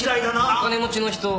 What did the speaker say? お金持ちの人